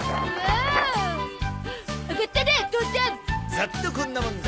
ざっとこんなもんだ！